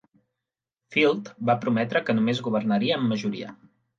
Field va prometre que només governaria en majoria.